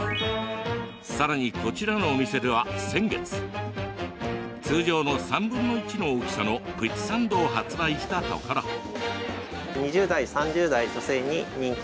さらに、こちらのお店では先月通常の３分の１の大きさのプチサンドを発売したところ。